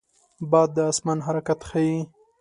باد د آسمان حرکت ښيي